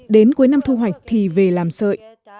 đến cuối năm thu hoạch thì về làm sợi